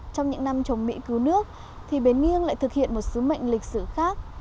trong những năm chống mỹ cứu nước thì bến nghiêng lại thực hiện một sứ mệnh lịch sử khác